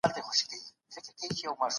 که بې نظمي وي پرمختګ نسته.